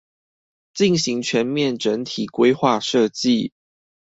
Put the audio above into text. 進行全面整體規劃設計